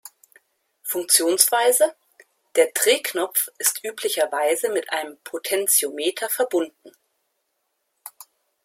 Funktionsweise: Der Drehknopf ist üblicherweise mit einem Potentiometer verbunden.